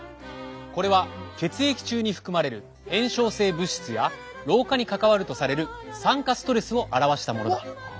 これは血液中に含まれる炎症性物質や老化に関わるとされる酸化ストレスを表したものだ。